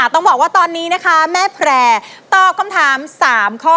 ต้องบอกว่าตอนนี้นะคะแม่แพร่ตอบคำถาม๓ข้อ